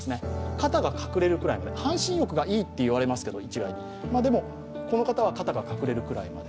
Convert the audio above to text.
肩が隠れるくらいまで半身浴がいいと言われますけどこの方は肩が隠れるくらいまで。